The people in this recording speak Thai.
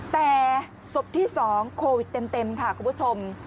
แต่ศพที่๒โควิดเต็มค่ะคุณผู้ชม